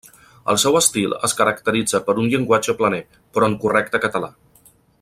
El seu estil es caracteritza per un llenguatge planer, però en correcte català.